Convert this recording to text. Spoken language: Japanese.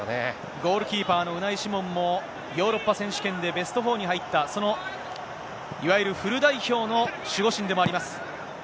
ゴールキーパーのウナイ・シモンもヨーロッパ選手権でベスト４に入った、その、いわゆるフル代表の守護神でもあります。